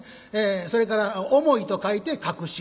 それから「重い」と書いて角重と。